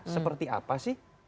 seperti apa sih